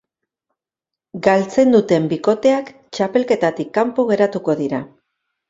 Galtzen duten bikoteak txapelketatik kanpo geratuko dira.